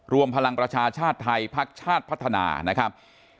รวมพลังประชาชาติไทยพักชาติพัฒนานะครับ